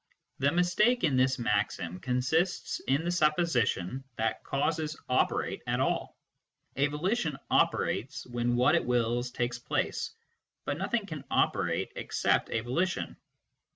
The mistake in this maxim consists in the supposition that causes " operate " at all. A volition " operates " when what it wills takes place ; but nothing can operate except a volition.